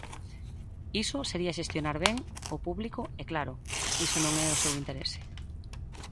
Iso sería xestionar ben o público e, claro, iso non é o seu interese.